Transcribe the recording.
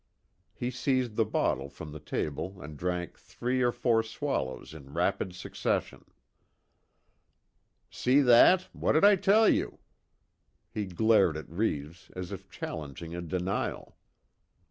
He seized the bottle from the table and drank three or four swallows in rapid succession, "See that what did I tell you?" He glared at Reeves as if challenging a denial.